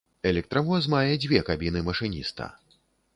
Электравоз мае дзве кабіны машыніста.